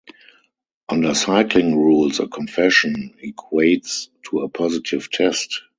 Under cycling rules a confession equates to a positive test.